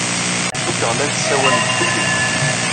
Cikkeɣ llant ssawalent fell-i.